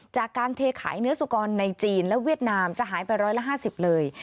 จากการเทขายเนื้อสุกรในจีนและเวียดนามจะหายไปร้อยละ๕๐เลย